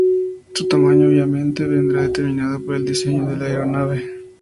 Su tamaño, obviamente, vendrá determinado por el diseño de la aeronave.